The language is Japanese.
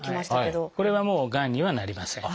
これはがんにはなりません。